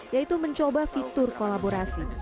yaitu mencoba fitur kolaborasi